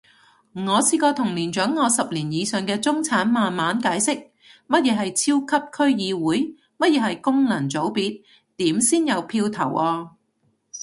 我試過同年長我十年以上嘅中產慢慢解釋，乜嘢係超級區議會？乜嘢係功能組別？點先有票投啊？